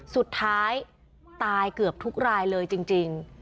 สุดท้ายตายเกือบทุกรายเลยจริง